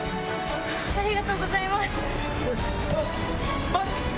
ありがとうございます。